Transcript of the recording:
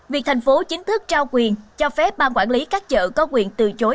việc thành phố chính thức trao quyền cho phép ban quản lý các chợ có quyền từ chối